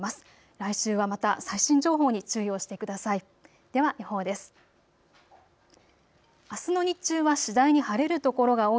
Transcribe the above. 来週はまた最新情報に注意をしてください。